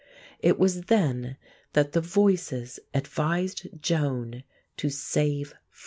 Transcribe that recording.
It was then that the Voices advised Joan to save France.